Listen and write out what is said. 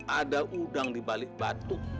ada udang dibalik batu